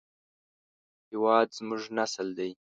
هېواد زموږ نسل دی